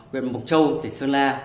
huyện bục châu tỉnh sơn la